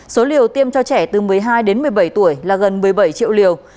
số liều tiêm cho trẻ từ một mươi hai đến một mươi bảy tuổi là gần một mươi bảy triệu liều